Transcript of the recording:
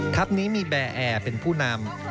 นี้มีแบร์แอร์เป็นผู้นำ